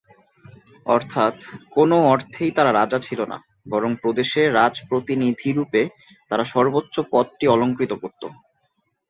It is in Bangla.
অর্থাৎ কোনও অর্থেই তারা রাজা ছিল না, বরং প্রদেশে রাজ-প্রতিনিধিরূপে তারা সর্বোচ্চ পদটি অলংকৃত করতো।